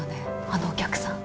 あのお客さん。